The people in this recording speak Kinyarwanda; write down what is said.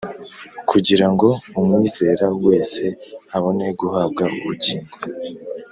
kugira ngo umwizera wese abone guhabwa ubungingo